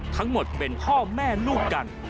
ทั้งหมดเป็นพ่อแม่ลูกกัน